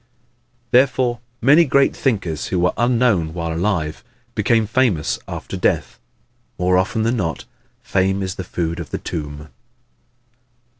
Therefore many great thinkers who were unknown while alive became famous after death. More often than not, "Fame is the food of the tomb."